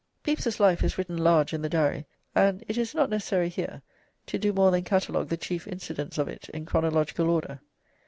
Pepys's life is written large in the Diary, and it is not necessary here to do more than catalogue the chief incidents of it in chronological order.